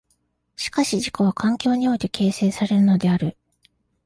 しかし自己は環境において形成されるのである。